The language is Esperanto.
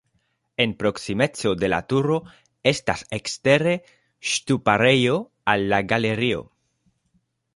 En proksimeco de la turo estas ekstere ŝtuparejo al la galerio.